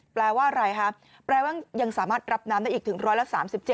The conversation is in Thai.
แปลว่าอะไรคะแปลว่ายังสามารถรับน้ำได้อีกถึงร้อยละ๓๗